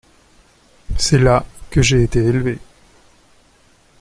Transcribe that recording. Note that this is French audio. C’est là que j’ai été élevé…